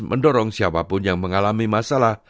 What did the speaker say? mendorong siapapun yang mengalami masalah